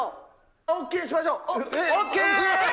ＯＫにしましょう。